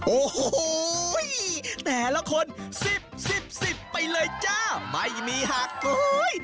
โอ้โห้ยแต่ละคน๑๐๑๐๑๐ไปเลยจ้าไม่มีหักโอ้โห้ย